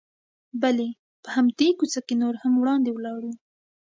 بلې، په همدې کوڅه کې نور هم وړاندې ولاړو.